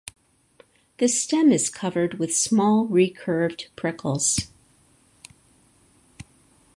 The stem is covered with small recurved prickles.